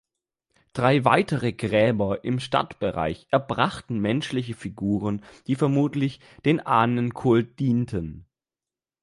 Drei weitere Gräber im Stadtbereich erbrachten menschliche Figuren, die vermutlich dem Ahnenkult dienten.